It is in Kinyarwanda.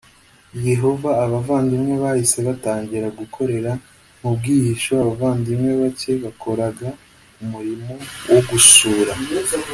Yehova abavandimwe bahise batangira gukorera mu bwihisho abavandimwe bake bakoraga umurimo wo gusura